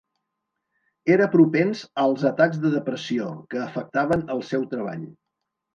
Era propens als atacs de depressió, que afectaven el seu treball.